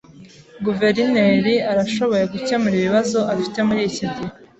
Guverineri arashoboye gukemura ibibazo afite muri iki gihe.